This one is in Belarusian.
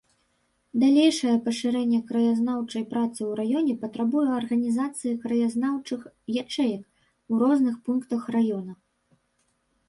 Далейшае пашырэнне краязнаўчай працы ў раёне патрабуе арганізацыі краязнаўчых ячэек у розных пунктах раёна.